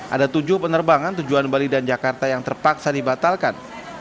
ada tujuh penerbangan tujuan bali dan jakarta yang terpaksa dibatalkan